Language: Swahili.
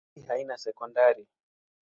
Kata hii haina sekondari.